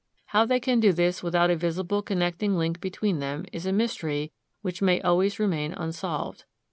How they can do this without a visible connecting link between them is a mystery which may always remain unsolved.